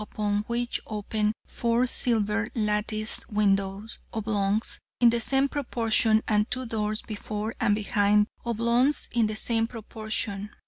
upon which open four silver latticed window oblongs in the same proportion, and two doors, before and behind, oblongs in the same proportion.